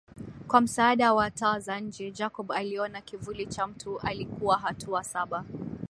Kwa msaada wa taa za nje Jacob aliona kivuli cha mtu alikuwa hatua saba